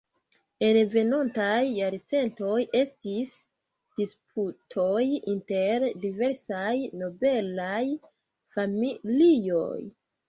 En venontaj jarcentoj estis disputoj inter diversaj nobelaj familioj.